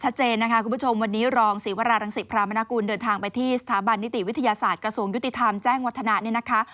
ชัดเจนนะคะคุณผู้ชมวันนี้รองศรีวรารังศิพรามนากุลเดินทางไปที่สถาบันนิติวิทยาศาสตร์กระทรวงยุติธรรมแจ้งวัฒนะเนี่ยนะคะ